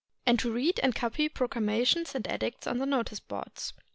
and to read and copy proclamations and edicts on the notice boards.